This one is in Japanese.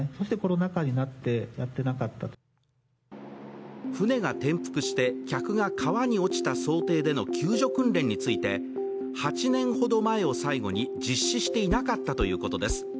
更に船が転覆して客が川に落ちた想定での救助訓練について８年ほど前を最後に実施していなかったということです。